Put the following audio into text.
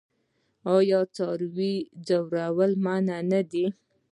آیا د څارویو ځورول منع نه دي؟